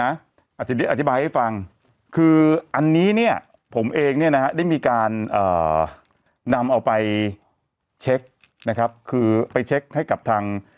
อธิบายให้ฟังคืออันนี้เนี่ยผมเองเนี่ยนะฮะได้มีการนำเอาไปเช็คนะครับคือไปเช็คให้กับทาง